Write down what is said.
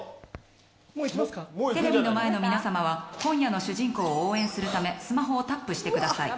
テレビの前の皆さまは今夜の主人公を応援するためスマホをタップしてください。